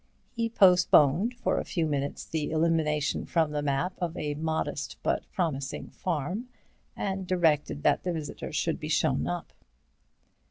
He postponed for a few minutes the elimination from the map of a modest but promising farm, and directed that the visitor should be shown up.